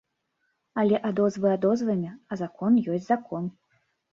Але адозвы адозвамі, а закон ёсць закон.